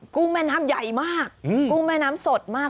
ุ้งแม่น้ำใหญ่มากกุ้งแม่น้ำสดมาก